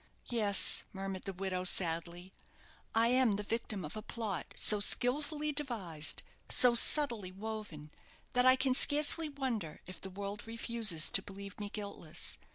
"Yes," murmured the widow, sadly, "I am the victim of a plot so skilfully devised, so subtly woven, that I can scarcely wonder if the world refuses to believe me guiltless.